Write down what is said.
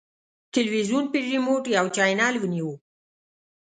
تلویزیون په ریموټ یو چینل ونیو.